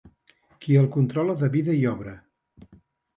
Qui el controla de vida i obra.